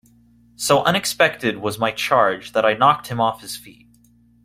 So unexpected was my charge that I knocked him off his feet.